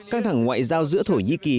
căng thẳng ngoại giao giữa thổ nhĩ kỳ